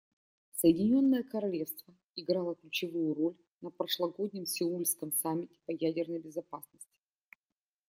Соединенное Королевство играло ключевую роль на прошлогоднем сеульском саммите по ядерной безопасности.